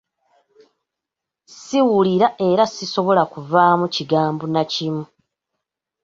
Siwulira era sisobola kuvaamu kigambo na kimu.